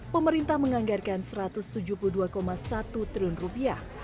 pemerintah menganggarkan satu ratus tujuh puluh dua satu triliun rupiah